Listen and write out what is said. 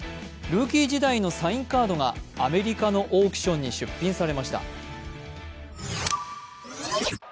ルーキー時代のサインカードがアメリカのオークションに出品されました。